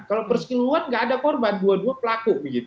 kalau berselingkuhan nggak ada korban dua dua pelaku begitu